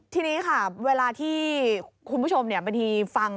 ทีนี้เวลาที่คุณผู้ชมฟัง